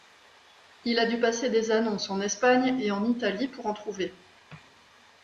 Il a dû passer des annonces en Espagne et en Italie pour en trouver.